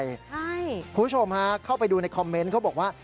คุณผู้ชมฮะเข้าไปดูในคอมเมนต์เขาบอกว่า